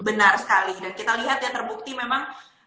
benar sekali dan kita lihat ya terbukti memang